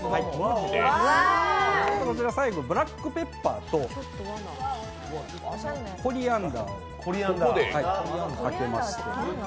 こちら、最後にブラックペッパーとコリアンダーをかけます。